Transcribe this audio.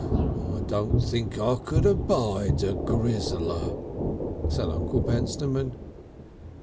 I don't think I could abide a grizzler," said Uncle Pentstemon.